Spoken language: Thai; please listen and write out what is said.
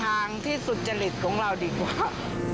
ทางที่สุจริตของเราดีกว่า